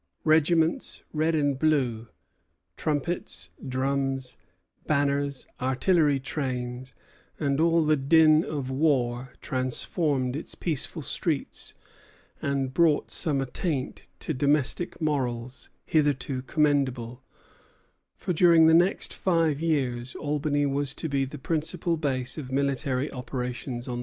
Regiments, red and blue, trumpets, drums, banners, artillery trains, and all the din of war transformed its peaceful streets, and brought some attaint to domestic morals hitherto commendable; for during the next five years Albany was to be the principal base of military operations on the continent.